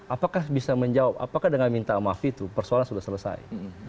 apakah bisa menjawab apakah dengan minta maaf itu persoalan sudah selesai